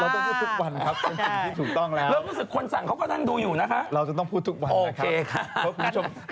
เค้ารู้เป็นปีเค้ารู้แล้วเป็นแฟน